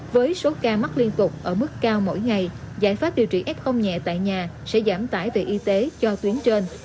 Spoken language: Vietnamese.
với số ca mắc liên tục ở mức cao mỗi ngày giải pháp điều trị f nhẹ tại nhà sẽ giảm tải về y tế cho tuyến trên